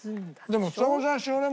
でも。